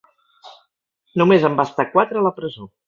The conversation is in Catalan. Només en va estar quatre a la presó.